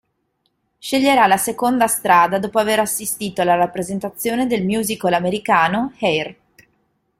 Sceglierà la seconda strada dopo aver assistito alla rappresentazione del musical americano "Hair".